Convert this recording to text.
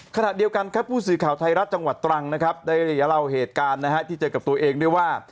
ขณะเดียวกันครับผู้สื่อข่าวไทยรัฐจังหวัดตรังนะครับได้เล่าเหตุการณ์ที่เจอกับตัวเองด้วยว่า